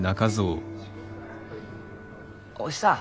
お師さん。